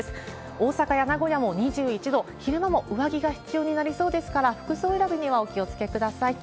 大阪や名古屋も２１度、昼間も上着が必要になりそうですから、服装選びにはお気をつけください。